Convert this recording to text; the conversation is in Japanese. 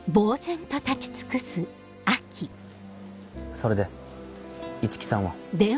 それで五木さんは？